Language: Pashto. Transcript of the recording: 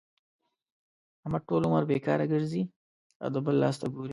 احمد ټول عمر بېکاره ګرځي او د بل لاس ته ګوري.